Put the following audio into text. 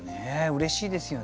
うれしいですよね。